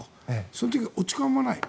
その時に落ち込まない。